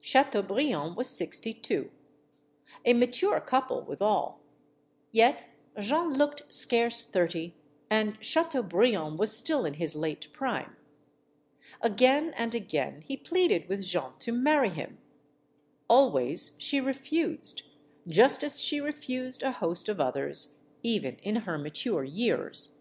Chateaubriand was sixty two. A mature couple, withal. Yet Jeanne looked scarce thirty, and Chateaubriand was still in his late prime. Again and again he pleaded with Jeanne to marry him. Always she refused, just as she refused a host of others, even in her mature years.